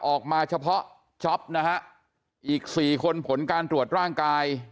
ออกมาเฉพาะจ๊อปนะฮะอีกสี่คนผลการตรวจร่างกาย